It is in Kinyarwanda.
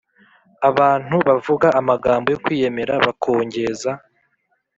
Abantu bavuga amagambo yo kwiyemera bakongeza